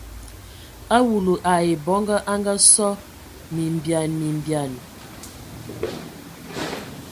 Awulu ai bɔngɔ anga sɔ mimbean mimbean.